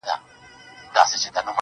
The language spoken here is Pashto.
o زړه تا دا كيسه شــــــــــروع كــړه.